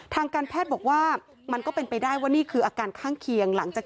ทางการแพทย์บอกว่ามันก็เป็นไปได้ว่านี่คืออาการข้างเคียงหลังจาก